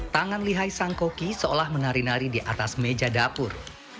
tangan lihai sang koki seolah menari nari di atas meja dapur